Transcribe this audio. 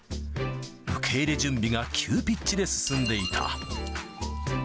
受け入れ準備が急ピッチで進んでいた。